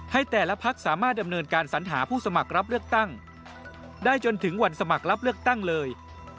ให้แต่ละพักสามารถดำเนินการสัญหาผู้สมัครรับเลือกตั้งได้จนถึงวันสมัครรับเลือกตั้งเลย